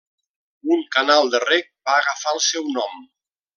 Un canal de reg va agafar el seu nom.